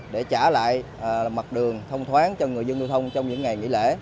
để trả lại mặt đường thông thoáng cho người dân lưu thông trong những ngày nghỉ lễ